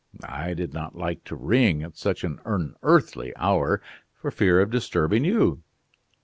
I did not like to ring at such an unearthly hour for fear of disturbing you.